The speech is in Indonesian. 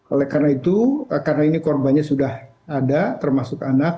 oleh karena itu karena ini korbannya sudah ada termasuk anak